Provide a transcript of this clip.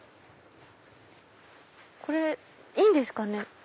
これいいんですかね？